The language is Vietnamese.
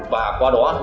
và qua đó